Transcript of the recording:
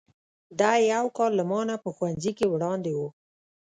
دی یو کال له ما نه په ښوونځي کې وړاندې و.